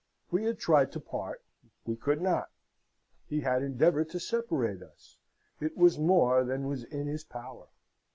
We had tried to part: we could not. He had endeavoured to separate us: it was more than was in his power.